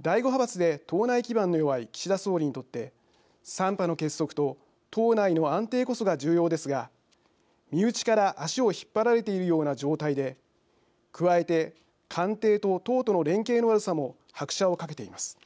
第５派閥で党内基盤の弱い岸田総理にとって３派の結束と党内の安定こそが重要ですが、身内から足を引っ張られているような状態で加えて官邸と党との連携の悪さも拍車をかけています。